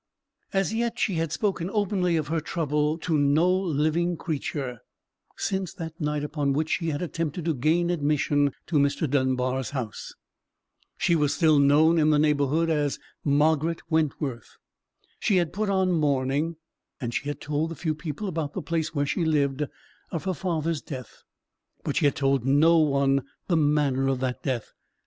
As yet she had spoken openly of her trouble to no living creature, since that night upon which she had attempted to gain admission to Mr. Dunbar's house. She was still known in the neighbourhood as Margaret Wentworth. She had put on mourning: and she had told the few people about the place where she lived, of her father's death: but she had told no one the manner of that death.